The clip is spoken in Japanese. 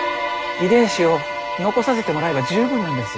遺伝子を残させてもらえば十分なんです。